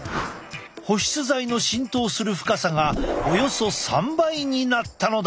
保湿剤の浸透する深さがおよそ３倍になったのだ！